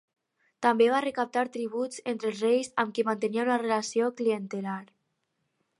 També va recaptar tributs entre els reis amb qui mantenia una relació clientelar.